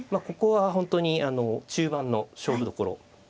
ここは本当に中盤の勝負どころ。